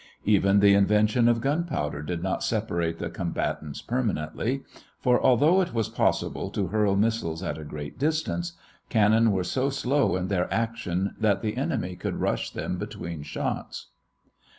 Even the invention of gunpowder did not separate the combatants permanently, for although it was possible to hurl missiles at a great distance, cannon were so slow in their action that the enemy could rush them between shots.